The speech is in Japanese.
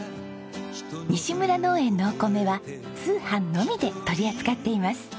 にしむら農園のお米は通販のみで取り扱っています。